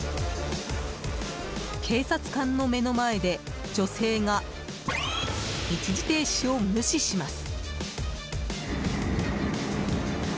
警察官の目の前で女性が一時停止を無視します。